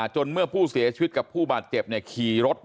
เมื่อผู้เสียชีวิตกับผู้บาดเจ็บขี่รถ